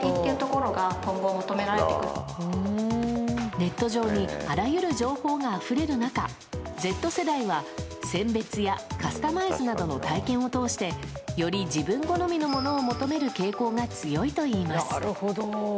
ネット上にあらゆる情報があふれる中Ｚ世代は選別やカスタマイズなどの体験を通してより自分好みのものを求める傾向が強いといいます。